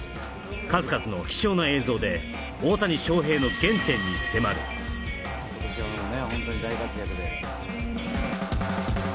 数々の貴重な映像で大谷翔平の原点に迫る今年はね